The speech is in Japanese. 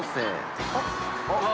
あっ！